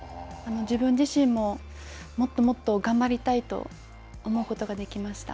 自分自身ももっともっと頑張りたいと思うことができました。